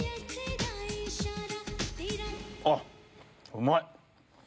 あっうまい！